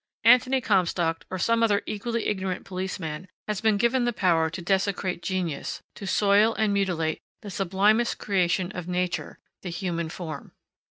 Anthony Comstock, or some other equally ignorant policeman, has been given power to desecrate genius, to soil and mutilate the sublimest creation of nature the human form.